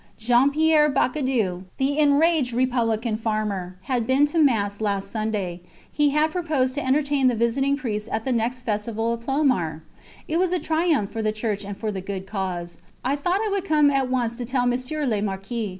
Jean Pierre Bacadou, the enraged republican farmer, had been to mass last Sunday had proposed to entertain the visiting priests at the next festival of Ploumar! It was a triumph for the Church and for the good cause. I thought I would come at once to tell Monsieur le Marquis.